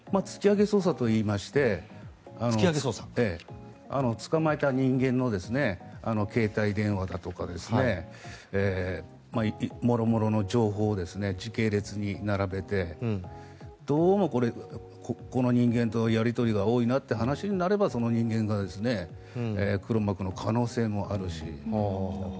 突き上げ捜査といいまして捕まえた人間の携帯電話だとかもろもろの情報を時系列に並べてどうも、この人間とやり取りが多いなという話になればその人間が黒幕の可能性もあるし。